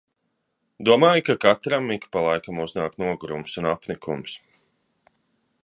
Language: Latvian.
Domāju, ka katram ik pa laikam uznāk nogurums un apnikums.